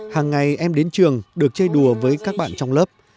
hàng ngày em đến trường được chơi đùa với các bạn trong lớp